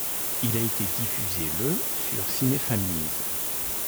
Il a été diffusé le sur Cinefamiz.